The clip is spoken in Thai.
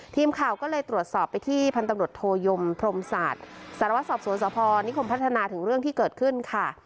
ทีมข่าวก็เลยตรวจสอบไปที่พันตำรวจโทยมพรมศาสตร์สารวัตรสอบสวนสภนิคมพัฒนาถึงเรื่องที่เกิดขึ้นค่ะ